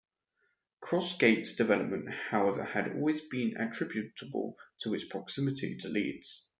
Cross Gates' development however had always been attributable to its proximity to Leeds.